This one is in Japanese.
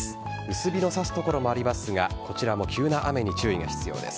薄日の差す所もありますがこちらも急な雨に注意が必要です。